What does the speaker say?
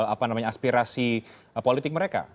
apa namanya aspirasi politik mereka